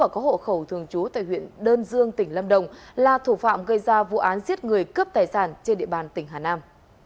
cố tại huyện đơn dương tỉnh lâm đồng là thủ phạm gây ra vụ án giết người cướp tài sản trên địa bàn tỉnh hà nam